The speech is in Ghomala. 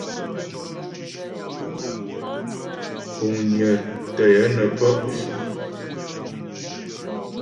Kuŋnyə tə́ yə nə́ pə́.